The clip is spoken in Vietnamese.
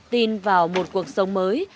tin vào một cuộc sống mới